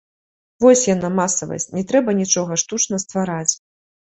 Вось яна, масавасць, не трэба нічога штучна ствараць!